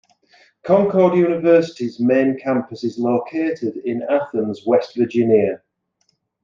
Concord University's main campus is located in Athens, West Virginia.